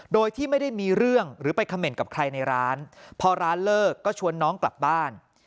โดยที่ไม่ได้มีเรื่องหรือไปเขม่นกับใครในร้านพอร้านเลิกก็ชวนน้องกลับบ้าน